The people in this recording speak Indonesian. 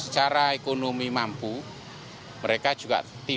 mereka harus dibutuhkan seperti menggantikan mobil dan mengagenakan mobil untuk keturangan mobil